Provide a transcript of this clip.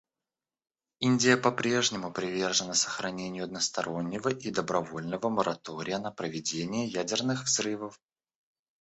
Индия по-прежнему привержена сохранению одностороннего и добровольного моратория на проведение ядерных взрывов.